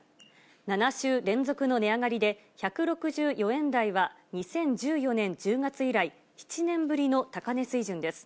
７週連続の値上がりで、１６４円台は２０１４年１０月以来、７年ぶりの高値水準です。